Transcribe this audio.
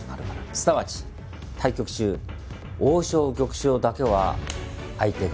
すなわち対局中王将玉将だけは相手が触れない。